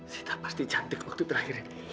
sudah pasti cantik waktu terakhir